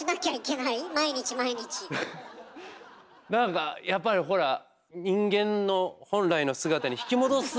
何かやっぱりほら人間の本来の姿に引き戻す。